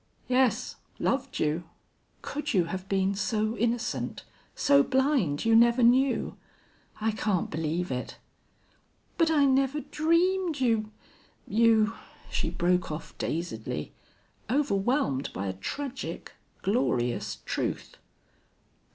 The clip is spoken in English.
"Yes loved you. Could you have been so innocent so blind you never knew? I can't believe it." "But I never dreamed you you " She broke off dazedly, overwhelmed by a tragic, glorious truth.